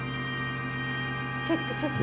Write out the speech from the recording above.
チェックチェック。